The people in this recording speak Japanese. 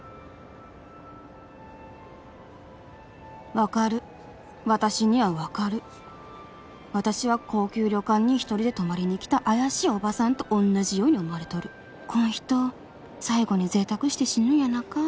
分かる私には分かる私は高級旅館に一人で泊まりに来た怪しいおばさんとおんなじように思われとるこん人最後に贅沢して死ぬんやなか？